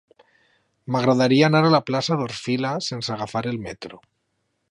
M'agradaria anar a la plaça d'Orfila sense agafar el metro.